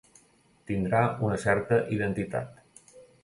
Tindrà una certa identitat.